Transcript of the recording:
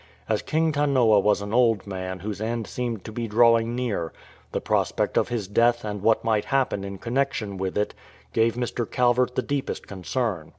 As King Tanoa was an old man whose end seemed to be drawing near, the prospect of his death and what might happen in connexion with it gave Mr. Calvert the deepest concern.